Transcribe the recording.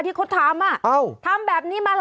เบิร์ตลมเสียโอ้โห